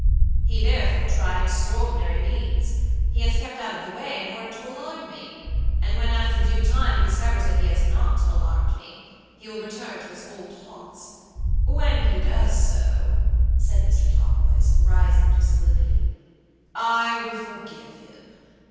He therefore tried extraordinary means; he has kept out of the way in order to alarm me, and when after due time he discovers that he has not alarmed me, he will return to his old haunts. When he does so," said Mr. Talboys, rising to sublimity, "I will forgive him.